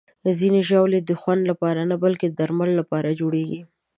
ځینې ژاولې د خوند لپاره نه، بلکې د درملنې لپاره جوړېږي.